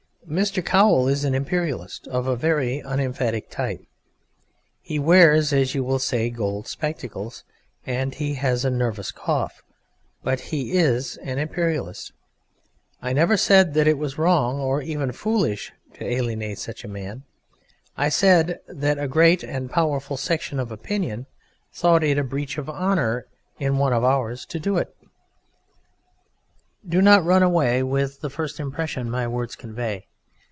Mr. Cowl is an Imperialist of a very unemphatic type: he wears (as you will say) gold spectacles, and has a nervous cough, but he is an Imperialist. I never said that it was wrong or even foolish to alienate such a man. I said that a great and powerful section of opinion thought it a breach of honour in one of Ours to do it. Do not run away with the first impression my words convey.